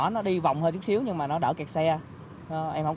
nó đi vòng hơi chút xíu nhưng mà nó đỡ kẹt xe